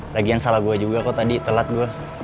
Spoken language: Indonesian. lagian salah gue juga kok tadi telat gue